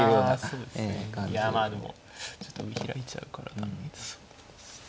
そうですねいやまあでもちょっと見開いちゃうから駄目そうですね。